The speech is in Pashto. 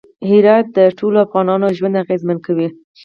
هرات د ټولو افغانانو ژوند اغېزمن کوي.